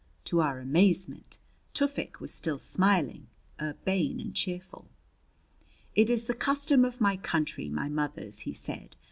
To our amazement, Tufik was still smiling, urbane and cheerful. "It is the custom of my country, my mothers," he said.